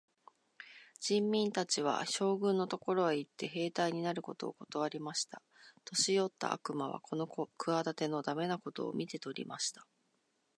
人民たちは、将軍のところへ行って、兵隊になることをことわりました。年よった悪魔はこの企ての駄目なことを見て取りました。